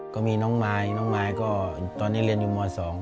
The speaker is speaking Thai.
ก็มีน้องมายน้องมายก็ตอนนี้เรียนอยู่ม๒